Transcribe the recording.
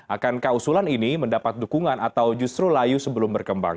akankah usulan ini mendapat dukungan atau justru layu sebelum berkembang